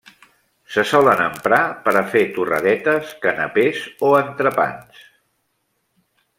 Se solen emprar per a fer torradetes, canapès o entrepans.